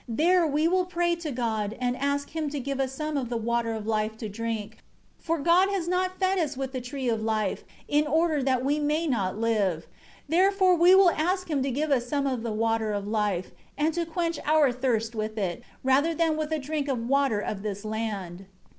There we will pray to God, and ask Him to give us some of the Water of Life to drink. 6 For God has not fed us with the Tree of Life, in order that we may not live. Therefore, we will ask him to give us some of the Water of Life, and to quench our thirst with it, rather than with a drink of water of this land."